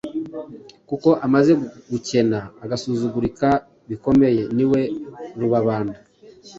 kuko amaze gukena agasuzugurika bikomeye" niwe rubabanda